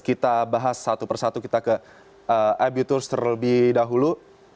kita bahas satu persatu kita ke abuturs terlebih dahulu